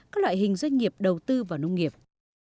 các loại hình doanh nghiệp đầu tư vào nông nghiệp